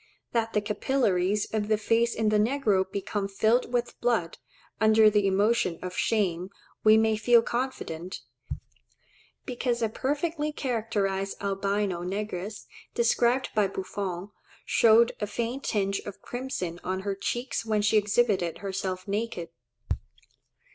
That the capillaries of the face in the negro become filled with blood, under the emotion of shame, we may feel confident; because a perfectly characterized albino negress, described by Buffon, showed a faint tinge of crimson on her cheeks when she exhibited herself naked.